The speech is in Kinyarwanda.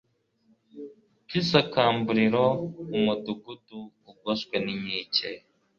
cy isakamburiro umudugudu ugoswe n inkike